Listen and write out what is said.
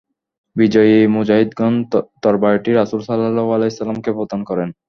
বিজয়ী মুজাহিদগণ তরবারিটি রাসূল সাল্লাল্লাহু আলাইহি ওয়াসাল্লাম-কে প্রদান করেন।